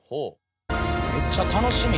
めっちゃ楽しみ。